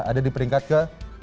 ada di peringkat ke tiga puluh dua